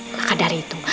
maka dari itu